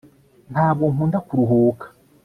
ntabwo nkunda kuruhuka